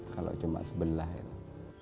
kalau cuma sebelah itu